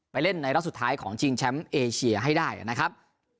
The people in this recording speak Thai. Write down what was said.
เล่นในรอบสุดท้ายของชิงแชมป์เอเชียให้ได้นะครับ